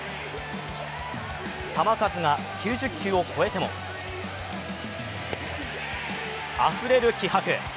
球数が９０球を超えてもあふれる気迫。